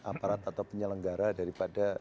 aparat atau penyelenggara daripada